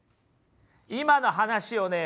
今の話をね